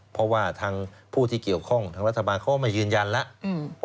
เพราะว่าทางผู้ที่เกี่ยวข้องทางรัฐบาลเขาก็ไม่ยืนยันแล้ว